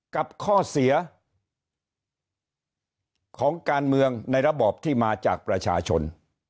กับข้อเสียของการเมืองในระบอบที่มาจากประชาชน